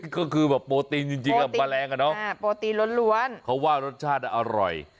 ก็คือแบบโปรตีนจริงแมลงอะเนาะโปรตีนล้วนเขาว่ารสชาติอร่อย